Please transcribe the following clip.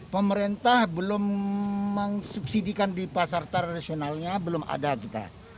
pemerintah belum mensubsidikan di pasar tradisionalnya belum ada kita